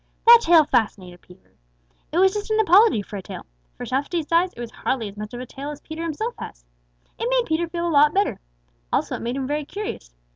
That tail fascinated Peter. It was just an apology for a tail. For Tufty's size it was hardly as much of a tail as Peter himself has. It made Peter feel a lot better. Also it made him very curious.